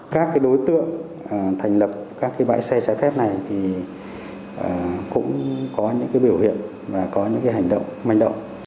các đối tượng thành lập các bãi xe trái phép này thì cũng có những biểu hiện và có những hành động manh động